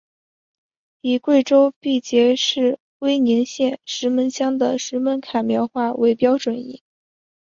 以贵州毕节市威宁县石门乡的石门坎苗话为标准音。